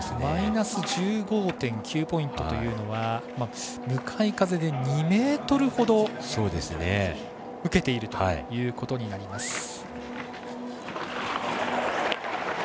マイナス１５．９ポイントというのは向かい風で２メートルほど受けているということになります。